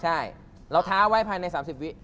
ใช่เราท้าไว้ภายใน๓๐วิ